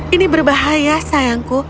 ini berbahaya sayangku